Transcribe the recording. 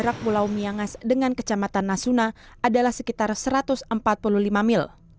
jarak pulau miangas dengan kecamatan nasuna adalah sekitar satu ratus empat puluh lima mil